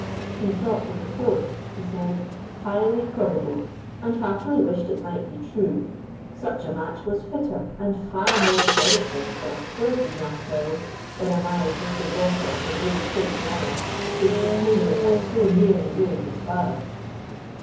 "He thought the report," he said, "highly probable, and heartily wished it might be true. Such a match was fitter and far more creditable for a spirited young fellow than a marriage with the daughter of an old Whig lawyer, whose chicanery had so nearly ruined his father."